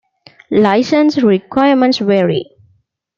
License requirements vary.